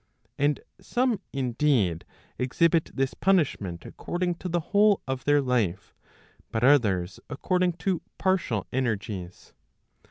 And some indeed, exhibit this punishment according to the whole of their life; but others according to partial energies.